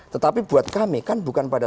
tetapi buat kami kan bukan pada